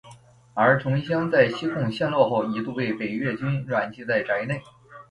而陈文香在西贡陷落后一度被北越军软禁在宅内。